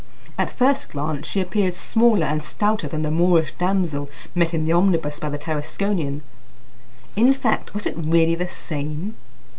At first glance she appeared smaller and stouter than the Moorish damsel met in the omnibus by the Tarasconian. In fact, was it really the same?